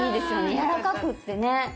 やわらかくってね。